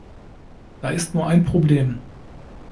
Da ist nur ein Problem.